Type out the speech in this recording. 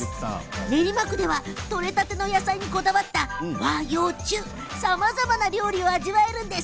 練馬区では取れたての野菜にこだわった和洋中さまざまな料理を味わえるんです。